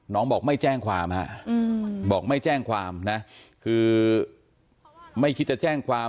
บอกไม่แจ้งความฮะบอกไม่แจ้งความนะคือไม่คิดจะแจ้งความ